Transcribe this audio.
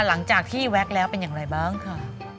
หลังจากที่แว็กแล้วเป็นอย่างไรบ้างค่ะ